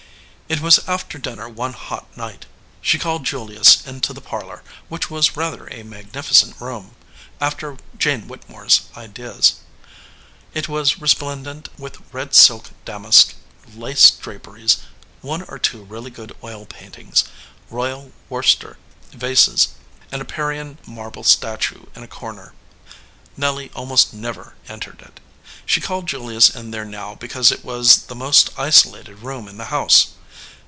It was after dinner one hot night. She called Julius into the parlor, which was rather a magnifi cent room after Jane Whittemore s ideas. It was resplendent with red silk damask, lace draperies; one or two really good oil paintings, Royal Wor cester vases, and a Parian marble statue in a cor ner. Nelly almost never entered it. She called Julius in there now because it was the most iso lated room in the house.